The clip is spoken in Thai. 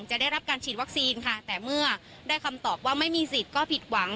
ได้รับการฉีดวัคซีนค่ะแต่เมื่อได้คำตอบว่าไม่มีสิทธิ์ก็ผิดหวัง